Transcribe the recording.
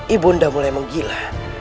ibunda mulai menggila